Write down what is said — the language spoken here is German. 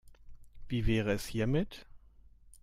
Wie wäre es hiermit?